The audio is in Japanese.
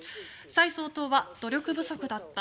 蔡総統は、努力不足だった。